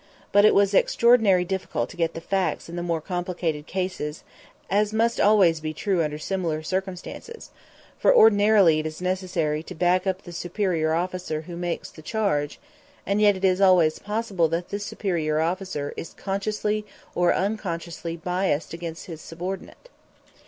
But it was extraordinarily difficult to get at the facts in the more complicated cases as must always be true under similar circumstances; for ordinarily it is necessary to back up the superior officer who makes the charge, and yet it is always possible that this superior officer is consciously or unconsciously biased against his subordinate.